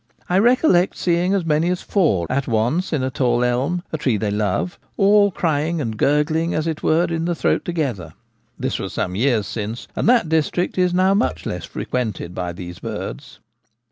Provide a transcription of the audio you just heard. I recollect seeing as many as four at once in a tall elm — a tree they love — all crying and gurgling, as it were, in the throat together ; this was some years since, and that district is now much less frequented by these birds.